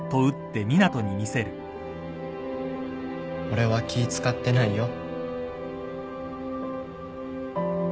俺は気使ってないよ。